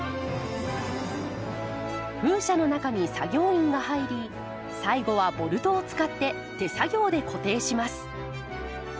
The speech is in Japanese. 風車の中に作業員が入り最後はボルトを使って手作業で固定します。